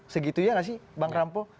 segitu ya nggak sih bang rampo